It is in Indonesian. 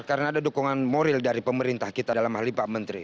karena ada dukungan moral dari pemerintah kita dalam ahli paham menteri